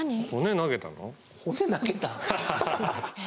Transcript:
骨投げた？え？